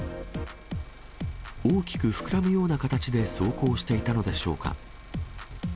大きく膨らむような形で走行していたのでしょうか。